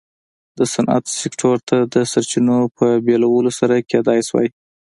د صنعت سکتور ته د سرچینو په بېلولو سره کېدای شوای.